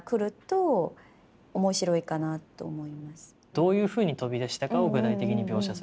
どういうふうに飛び出したかを具体的に描写する。